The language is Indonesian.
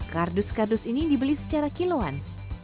kardus kardus ini dibeli secara kiloan